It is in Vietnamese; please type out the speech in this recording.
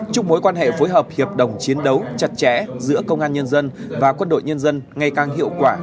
chúc mối quan hệ phối hợp hiệp đồng chiến đấu chặt chẽ giữa công an nhân dân và quân đội nhân dân ngày càng hiệu quả